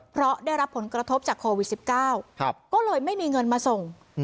เพราะได้รับผลกระทบจากโควิด๑๙ก็เลยไม่มีเงินมาส่ง